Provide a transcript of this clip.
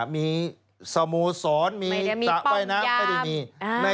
มีสโมสรไม่ได้ตะไวน้ำไม่ได้มีป้องยาม